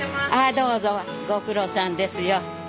どうぞご苦労さんですよ。